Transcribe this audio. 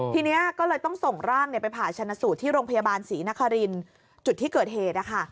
ทีนี้ก็เลยต้องส่งร่างไปผ่าชนะสูตรที่โรงพยาบาลศรีนครินจุดที่เกิดเหตุ